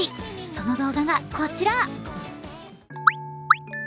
その動画がこちら。